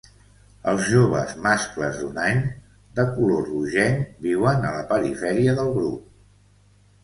Els joves mascles d'un any, de color rogenc, viuen a la perifèria del grup.